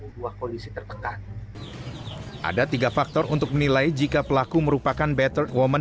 buah polisi tertekan ada tiga faktor untuk menilai jika pelaku merupakan better woman